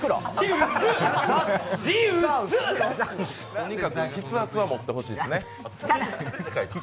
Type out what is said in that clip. とにかく筆圧は持ってほしいですね。